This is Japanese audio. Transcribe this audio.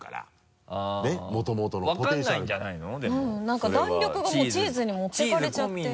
何か弾力がもうチーズに持っていかれちゃって。